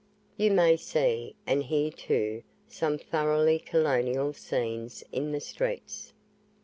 You may see, and hear too, some thoroughly colonial scenes in the streets.